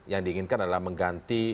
yang diinginkan adalah mengganti